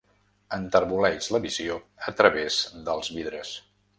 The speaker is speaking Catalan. Enterboleix la visió a través dels vidres.